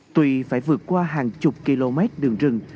tuy phải vượt qua hàng chục km đường rừng